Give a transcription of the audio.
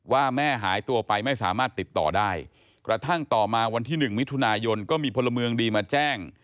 แม่หายตัวไปไม่สามารถติดต่อได้กระทั่งต่อมาวันที่๑มิถุนายนก็มีพลเมืองดีมาแจ้ง